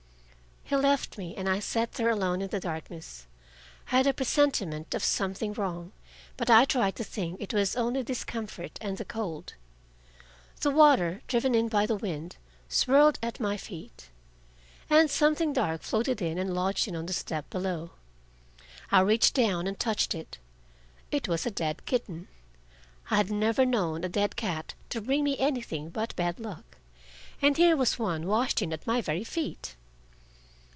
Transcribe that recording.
He left me, and I sat there alone in the darkness. I had a presentiment of something wrong, but I tried to think it was only discomfort and the cold. The water, driven in by the wind, swirled at my feet. And something dark floated in and lodged on the step below. I reached down and touched it. It was a dead kitten. I had never known a dead cat to bring me anything but bad luck, and here was one washed in at my very feet.